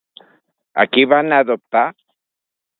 A qui van adoptar?